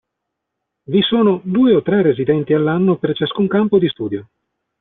Vi sono due o tre residenti all'anno per ciascun campo di studio.